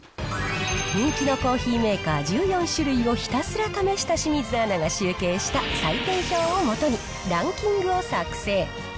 人気のコーヒーメーカー１４種類をひたすら試した清水アナが集計した採点表をもとに、ランキングを作成。